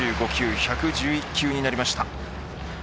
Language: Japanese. １１１球になりました。